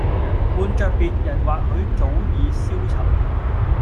換著別人或許早已消沉